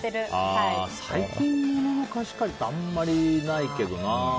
最近、物の貸し借りってあんまりないけどな。